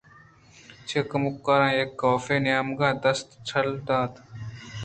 چہ کمکاراں یکے ءَ کاف ءِنیمگءَ دست ٹال دات اَنت